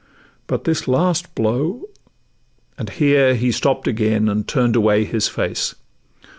But this last blow ' and here He stopp'd again, and turn'd away his face.